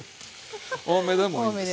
多めでもいいです。